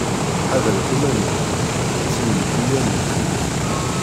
Ḥadret iman-nwen si lenbiya n lekdeb!